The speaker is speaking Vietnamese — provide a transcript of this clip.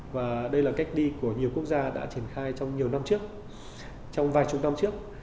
và đây là cách đi của nhiều quốc gia đã triển khai trong nhiều năm trước trong vài chục năm trước